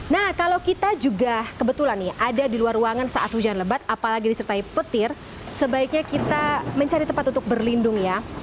nah kalau kita juga kebetulan nih ada di luar ruangan saat hujan lebat apalagi disertai petir sebaiknya kita mencari tempat untuk berlindung ya